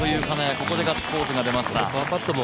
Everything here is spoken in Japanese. ここでガッツポーズが出ました。